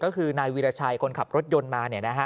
ก็คือนายวีรชัยคนขับรถยนต์มา